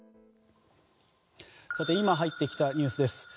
今入ってきたニュースです。